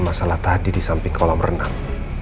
masalah tadi di samping kolam renang